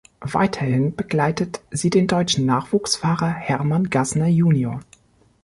Weiterhin begleitet sie den deutschen Nachwuchsfahrer Hermann Gassner junior.